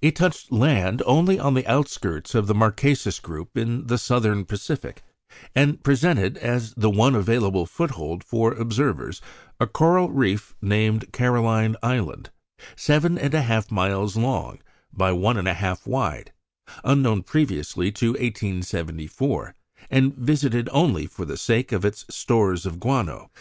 It touched land only on the outskirts of the Marquesas group in the Southern Pacific, and presented, as the one available foothold for observers, a coral reef named Caroline Island, seven and a half miles long by one and a half wide, unknown previously to 1874, and visited only for the sake of its stores of guano.